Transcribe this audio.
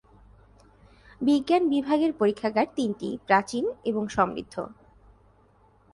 বিজ্ঞান বিভাগের পরীক্ষাগার তিনটি প্রাচীন এবং সমৃদ্ধ।